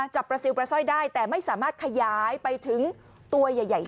จับประซิลประซ่อยได้แต่ไม่สามารถขยายไปถึงตัวใหญ่